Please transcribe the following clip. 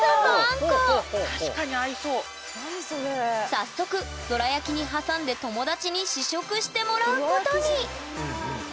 早速どら焼きに挟んで友達に試食してもらうことに！